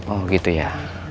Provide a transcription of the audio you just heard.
oh gitu ya